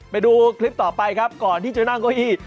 ไปดูคลิปต่อไปก่อนที่จะหน้าโกหี